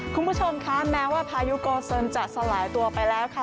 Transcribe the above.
คุณผู้ชมคะแม้ว่าพายุโกเซินจะสลายตัวไปแล้วค่ะ